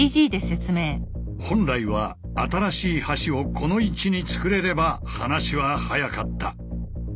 本来は新しい橋をこの位置に造れれば話は早かった。